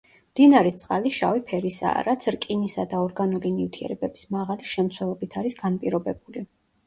მდინარის წყალი შავი ფერისაა, რაც რკინისა და ორგანული ნივთიერებების მაღალი შემცველობით არის განპირობებული.